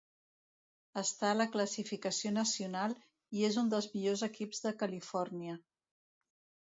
Està a la classificació nacional i és un dels millors equips de Califòrnia.